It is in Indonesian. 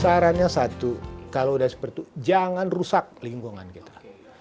sarannya satu kalau udah seperti itu jangan rusak lingkungan kita